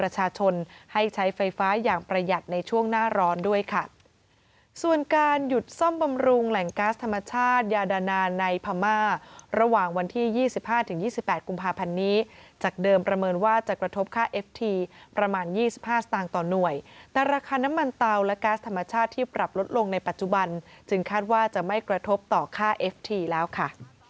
สามารถระหว่างวันที่๒๕๒๘กุมภาพันธ์นี้จากเดิมประเมินว่าจะกระทบค่าเอฟทีประมาณ๒๕สตางค์ต่อหน่วยแต่ราคาน้ำมันเตาและกาสธรรมชาติที่ปรับลดลงในปัจจุบันจึงคาดว่าจะไม่กระทบต่อค่าเอฟทีแล้วค่ะ